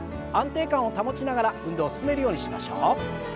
安定感を保ちながら運動を進めるようにしましょう。